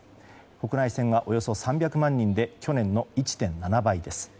国内線はおよそ３００万人で去年の１．７倍です。